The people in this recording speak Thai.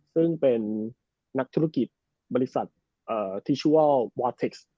ซึ่งเป็นนักธุรกิจบริษัททิชชัวลวาสเต็กซ์